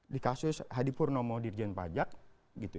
di kasus hadipurnomo dirjen pajak gitu